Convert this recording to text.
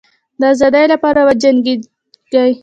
د آزادی لپاره وجنګېږی.